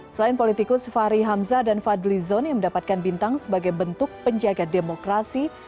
selain politikus fahri hamzah dan fadli zon yang mendapatkan bintang sebagai bentuk penjaga demokrasi